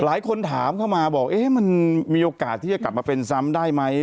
หลายคนถามเข้ามาบอกเอ๊ะมันมีโอกาสที่จะกลับมาเป็นซ้ำได้ไหม